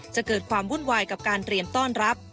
จะเกิดความวุ่นวายกับการเรียนต้อนรับ